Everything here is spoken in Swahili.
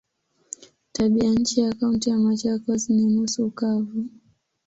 Tabianchi ya Kaunti ya Machakos ni nusu kavu.